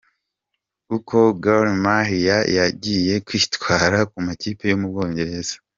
Uko Gor Mahia yagiye yitwara ku makipe yo mu Bwongereza.